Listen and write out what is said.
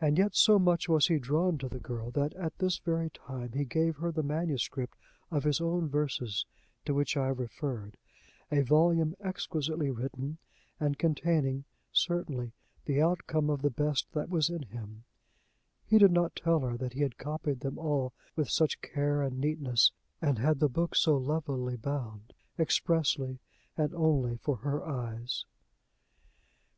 And yet so much was he drawn to the girl, that, at this very time, he gave her the manuscript of his own verses to which I have referred a volume exquisitely written, and containing, certainly, the outcome of the best that was in him: he did not tell her that he had copied them all with such care and neatness, and had the book so lovelily bound, expressly and only for her eyes..